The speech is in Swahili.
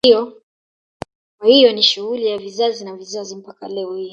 Kwa hiyo ni shughuli ya vizazi na vizazi mpaka leo hii